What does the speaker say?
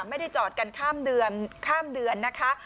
ไม่ได้จอดกันข้ามเดือนข้ามเดือนนะคะ